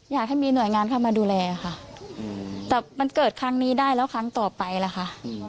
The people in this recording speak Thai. อยากให้มีหน่วยงานเข้ามาดูแลค่ะแต่มันเกิดครั้งนี้ได้แล้วครั้งต่อไปล่ะค่ะ